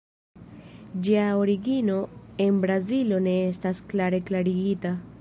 Ĝia origino en Brazilo ne estas klare klarigita.